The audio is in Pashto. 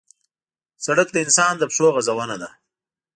سړک د انسان د پښو غزونه ده.